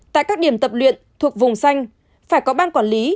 tại các điểm tập luyện thuộc vùng xanh phải có ban quản lý